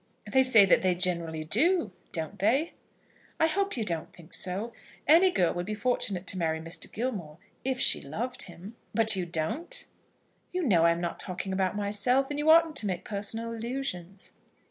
"They say that they generally do; don't they?" "I hope you don't think so. Any girl would be very fortunate to marry Mr. Gilmore if she loved him." "But you don't?" "You know I am not talking about myself, and you oughtn't to make personal allusions."